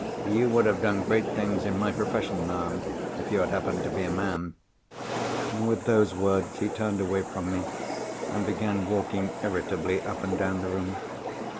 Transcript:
You would have done great things in my profession, ma'am, if you had happened to be a man." With those words he turned away from me, and began walking irritably up and down the room.